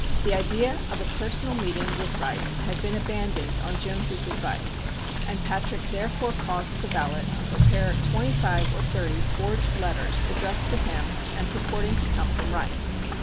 The idea of a personal meeting with Rice had been abandoned on Jones's advice, and Patrick therefore caused the valet to prepare twenty five or thirty forged letters addressed to him and purporting to come from Rice.